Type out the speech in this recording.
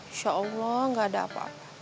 insya allah gak ada apa apa